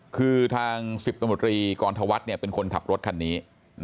คือทาง๑๐ตำรวจรีกรธวัฒน์เป็นคนขับรถคันนี้